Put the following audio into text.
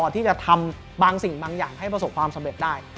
ที่จะทำบางสิ่งบางอย่างให้ประสบความสำเร็จได้